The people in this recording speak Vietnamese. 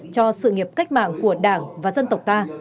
cho sự nghiệp cách mạng của đảng và dân tộc ta